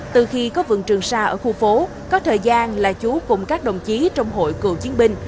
từ khi có vườn trường xa ở khu phố có thời gian là chú cùng các đồng chí trong hội cựu chiến binh